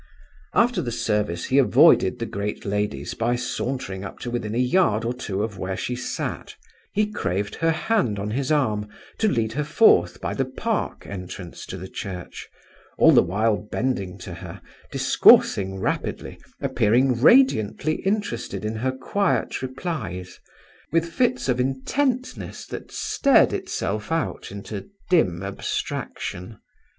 After the service, he avoided the great ladies by sauntering up to within a yard or two of where she sat; he craved her hand on his arm to lead her forth by the park entrance to the church, all the while bending to her, discoursing rapidly, appearing radiantly interested in her quiet replies, with fits of intentness that stared itself out into dim abstraction.